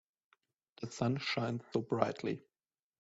The sun shines so brightly.